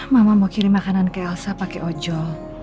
mama mau kirim makanan ke elsa pake ojol